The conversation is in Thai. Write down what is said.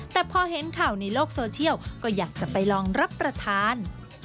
แต่พอเห็นข่าวในโลกโซเชียลก็อยากจะไปลองรับประทาน